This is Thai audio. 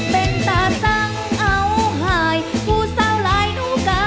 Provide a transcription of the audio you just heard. เป็นตาสังเอาหายผู้เศร้าหลายดูกา